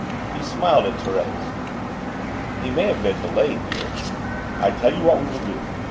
He smiled at Thérèse. "He may have been delayed, dear. I tell you what we will do.